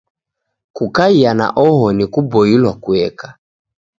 Kukaia na oho ni kuboilwa kueka.